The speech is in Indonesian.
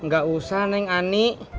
gak usah neng ani